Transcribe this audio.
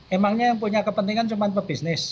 emangnya yang punya kepentingan cuma pebisnis